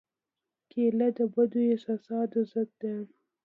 کېله د بدو احساساتو ضد ده.